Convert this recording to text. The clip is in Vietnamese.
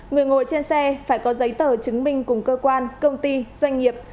người ngồi trên xe phải có giấy tờ chứng minh cùng cơ quan công ty doanh nghiệp